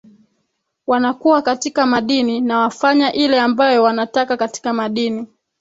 wanakuwa katika madini na wafanya ile ambao wanataka katika madini